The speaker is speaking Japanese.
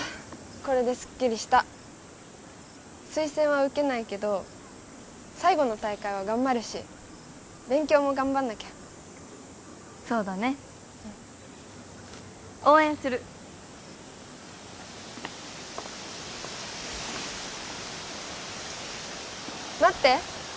これでスッキリした推薦は受けないけど最後の大会は頑張るし勉強も頑張んなきゃそうだね応援する待って！